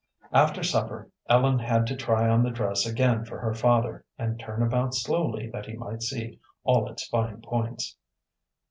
After supper Ellen had to try on the dress again for her father, and turn about slowly that he might see all its fine points.